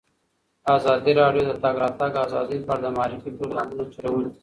ازادي راډیو د د تګ راتګ ازادي په اړه د معارفې پروګرامونه چلولي.